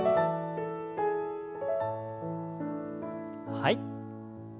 はい。